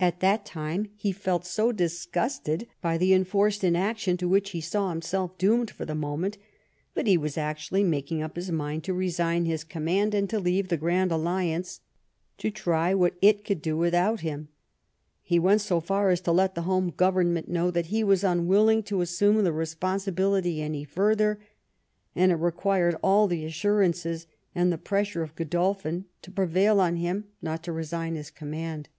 At one time he felt so disgusted by the enforced inaction to which he saw himself doomed, for the moment, that he was actually making up his mind to resign his command and to leave the Grand Alliance to try what it could do without him. He went so far as to let the home government know that he was unwilling to assume the responsi bility any further, and it required all the assurances and the pressure of G^dolphin to prevail on him not to resign his command.